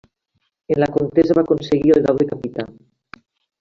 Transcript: En la contesa va aconseguir el grau de Capità.